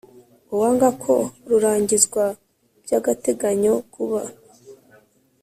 Uwanga ko rurangizwa by agateganyo kuba